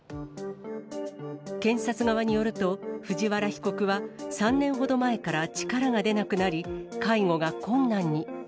検察側によると、藤原被告は、３年ほど前から力が出なくなり、介護が困難に。